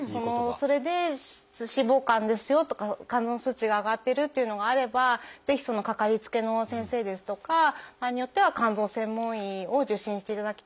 それで脂肪肝ですよとか肝臓の数値が上がってるというのがあればぜひかかりつけの先生ですとか場合によっては肝臓専門医を受診していただきたいなというふうに思ってます。